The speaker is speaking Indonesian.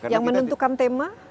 yang menentukan tema